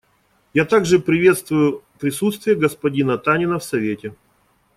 Я также приветствую присутствие господина Танина в Совете.